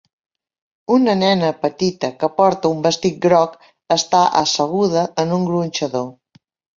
Una nena petita que porta un vestit groc està asseguda en un gronxador.